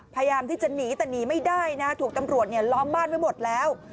พยายามที่จะหนีแต่หนีไม่ได้นะถูกตำรวจล้อมบ้านไว้หมดแล้ว